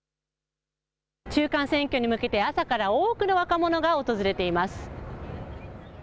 中間選挙に向けて朝から多くの若者が訪れています。